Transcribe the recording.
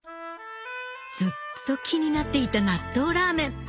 ずっと気になっていた納豆ラーメン